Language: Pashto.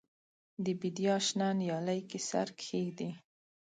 د بیدیا شنه نیالۍ کې سر کښېږدي